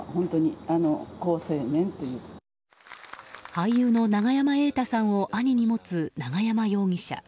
俳優の永山瑛太さんを兄に持つ永山容疑者。